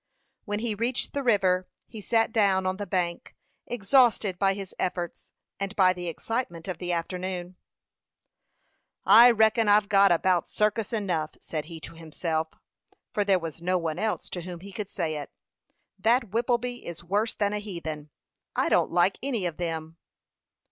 When he reached the river, he sat down on the bank, exhausted by his efforts and by the excitement of the afternoon. "I reckon I've got about circus enough," said he to himself, for there was no one else to whom he could say it. "That Whippleby is worse than a heathen. I don't like any of them."